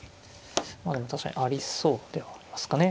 まあでも確かにありそうではありますかね。